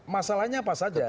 masalahnya apa saja